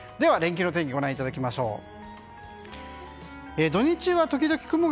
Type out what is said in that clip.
連休の天気をご覧いただきましょう。